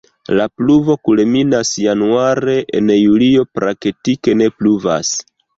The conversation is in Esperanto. La pluvo kulminas januare, en julio praktike ne pluvas.